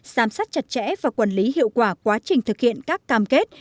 giám sát chặt chẽ và quản lý hiệu quả quá trình thực hiện các cam kết